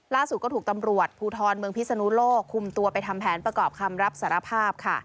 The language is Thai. ล่าสุดก็ถูกตำรวจภูทรเมืองพิศนุโลกคุมตัวไปทำแผนประกอบคำรับสารภาพค่ะ